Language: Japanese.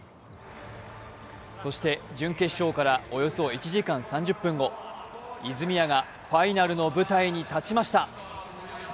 そして準決勝から、およそ１時間３０分後、泉谷がファイナルの舞台に立ちました。